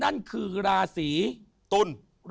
นั่นคือราศีตุล